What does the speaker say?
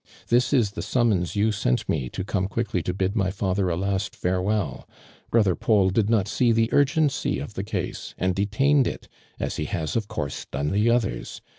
"This is the summons you sent me, to como quickly to bid my father a last farewell ! Brother Paul did not see the urgency of the case and detained it, as he has, of course, done the others.